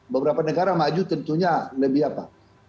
beberapa negara maju tentunya lebih apa